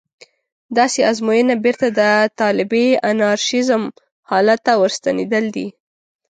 داسې ازموینه بېرته د طالبي انارشېزم حالت ته ورستنېدل دي.